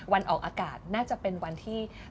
วันออกอากาศน่าจะเป็นวันที่